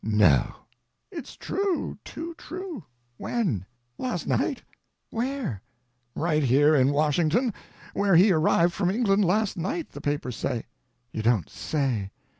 "No!" "It's true—too true." "When?" "Last night." "Where?" "Right here in Washington; where he arrived from England last night, the papers say." "You don't say!"